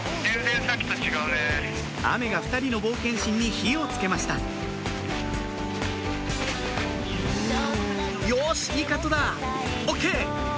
雨が２人の冒険心に火を付けましたよしいいカットだＯＫ！